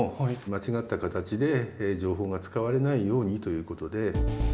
間違った形で情報が使われないようにということで。